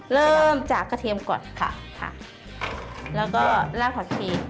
เริ่มจากกระเทียมก่อนค่ะค่ะแล้วก็รากผักชี